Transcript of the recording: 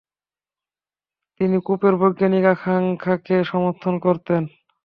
তিনি কোপের বৈজ্ঞানিক আকাঙ্ক্ষাকে সমর্থন করতেন।